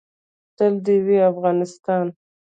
تل دې وي افغانستان؟